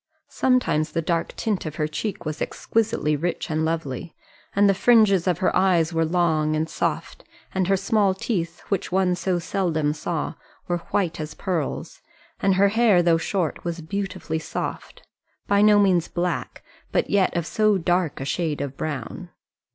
Sometimes the dark tint of her cheek was exquisitely rich and lovely, and the fringes of her eyes were long and soft, and her small teeth, which one so seldom saw, were white as pearls, and her hair, though short, was beautifully soft by no means black, but yet of so dark a shade of brown.